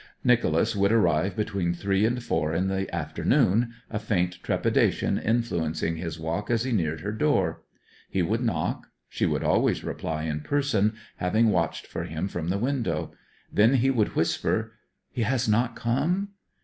Nicholas would arrive between three and four in the afternoon, a faint trepidation influencing his walk as he neared her door. He would knock; she would always reply in person, having watched for him from the window. Then he would whisper 'He has not come?'